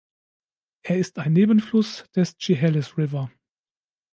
Er ist ein Nebenfluss des Chehalis River.